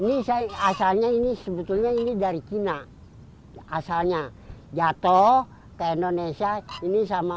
ini asalnya ini sebetulnya ini dari china